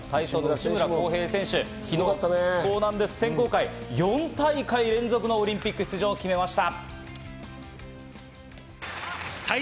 内村航平選手、４大会連続のオリンピック出場を決めました。